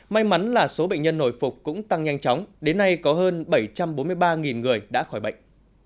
may mắn là số bệnh nhân nổi phục cũng tăng nhanh chóng đến nay có hơn bảy trăm bốn mươi ba người đã khỏi bệnh